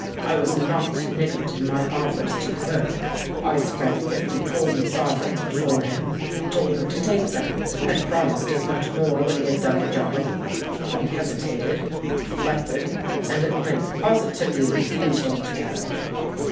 I was not niggard in my offers to the clerk: I spread fifty golden sovereigns before him—told him to take them, and promised as much more when he had done the job. But he hesitated—reflected—and at length positively refused altogether."